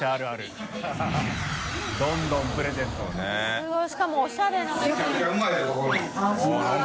すごいしかもおしゃれなプリン。